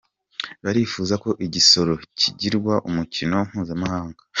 Barifuza ko igisoro kigirwa umukino mpuzamahanga